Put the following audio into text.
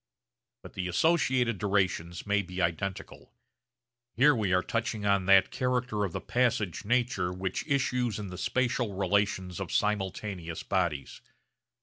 But the associated durations may be identical. Here we are touching on that character of the passage nature which issues in the spatial relations of simultaneous bodies.